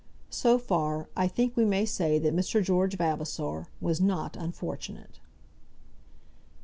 So far, I think we may say that Mr. George Vavasor was not unfortunate.